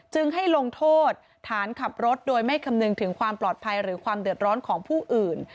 ให้ลงโทษฐานขับรถโดยไม่คำนึงถึงความปลอดภัยหรือความเดือดร้อนของผู้อื่น